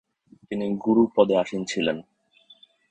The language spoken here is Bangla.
তিনি গুরু পদে আসীন ছিলেন।